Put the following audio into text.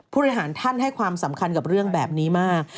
ท่านให้ความสำคัญกับเรื่องแบบนี้มาก